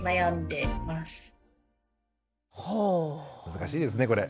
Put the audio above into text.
難しいですねこれ。